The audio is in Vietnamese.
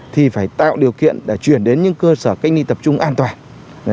thì phải tạo điều kiện để chuyển đến những cơ sở cách ly tập trung an toàn